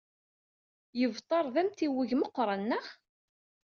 Yebṭer d amtiweg meɣɣren, naɣ?